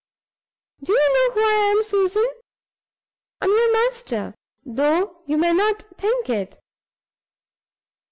Do you know who I am, Susan? I'm your master, though you may not think it.